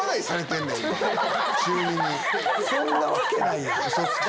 そんなわけないやん！